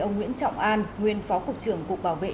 ông nguyễn trọng an nguyên phó cục trưởng cục bảo vệ